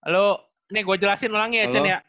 lo nih gue jelasin ulang ya cene